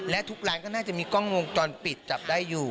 และทุกร้านก็น่าจะมีกล้องวงจรปิดจับได้อยู่